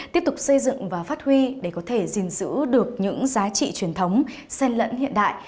tiếp tục xây dựng và phát huy để có thể gìn giữ được những giá trị truyền thống sen lẫn hiện đại